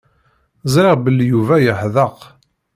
Ẓriɣ belli Yuba yeḥdeq.